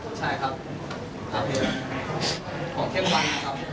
น้องหายแล้วน้องจะตามมา